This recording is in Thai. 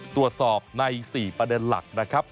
ตรวจสอบใน๔ประเด็นหลักนะครับ